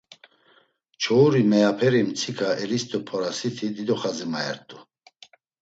Çoğuri meyaperi mtsika elist̆ip̌orasiti dido xazi maert̆u.